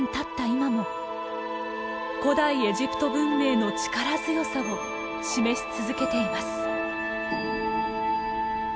今も古代エジプト文明の力強さを示し続けています。